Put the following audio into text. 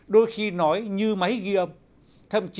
đôi khi nói như máy ghi âm